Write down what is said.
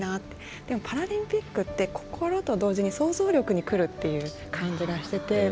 でもパラリンピックって心と同時に想像力にくるという感じがしてて。